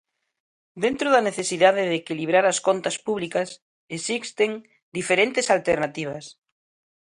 Dentro da necesidade de equilibrar as contas públicas, existen diferentes alternativas.